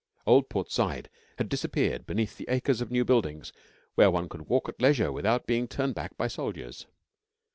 Old Port Said had disappeared beneath acres of new buildings where one could walk at leisure without being turned back by soldiers.